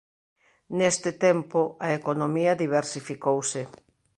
Neste tempo a economía diversificouse.